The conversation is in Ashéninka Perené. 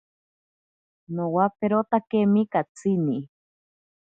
Nowaperotakemi katsini.